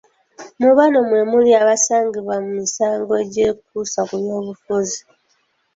Mu bano mwe muli abasibwa ku misango egyekuusa ku byobufuzi